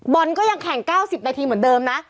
บอลก็ยังแข่ง๙๐นาทีเหมือนเดิมนะ